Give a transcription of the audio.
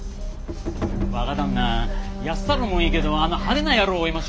若旦那安太郎もいいけどあの派手な野郎を追いましょう。